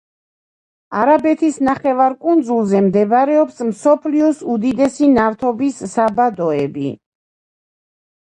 არაბეთის ნახევარკუნძულზე მდებარეობს მსოფლიოს უდიდესი ნავთობის საბადოები.